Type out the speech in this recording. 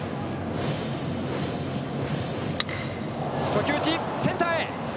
初球打ち、センターへ。